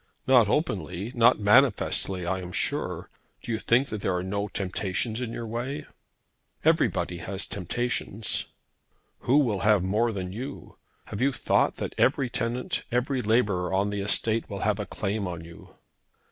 "Not openly, not manifestly I am sure. Do you think that there are no temptations in your way?" "Everybody has temptations." "Who will have more than you? Have you thought that every tenant, every labourer on the estate will have a claim on you?"